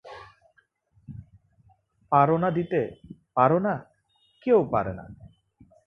পার না দিতে, পার না, কেউ পারে না।